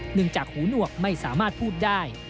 จากหูหนวกไม่สามารถพูดได้